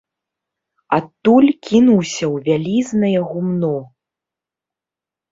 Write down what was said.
Адтуль кінуўся ў вялізнае гумно.